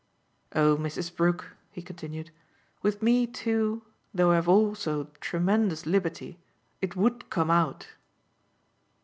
Oh Mrs. Brook," he continued, "with me too though I've also tremendous liberty! it would come out."